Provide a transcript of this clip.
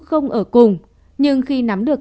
không ở cùng nhưng khi nắm được